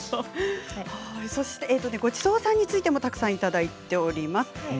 「ごちそうさん」についてもたくさんいただいています。